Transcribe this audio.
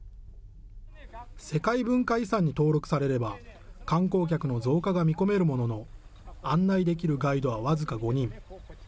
世界文化遺産に登録されれば、観光客の増加が見込めるものの、案内できるガイドは僅か５人。